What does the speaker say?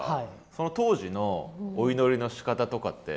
その当時のお祈りのしかたとかって。